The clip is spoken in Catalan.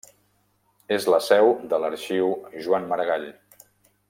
És la seu de l'Arxiu Joan Maragall.